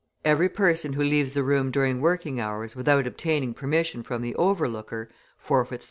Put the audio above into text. Every person who leaves the room during working hours, without obtaining permission from the overlooker, forfeits 3d.